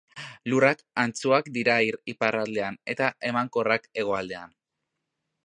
Lurrak antzuak dira iparraldean eta emankorrak hegoaldean.